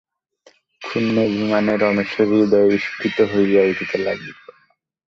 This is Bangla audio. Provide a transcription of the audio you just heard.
ক্ষুণ্ন অভিমানে রমেশের হৃদয় স্ফীত হইয়া উঠিতে লাগিল।